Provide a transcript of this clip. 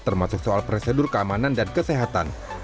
termasuk soal prosedur keamanan dan kesehatan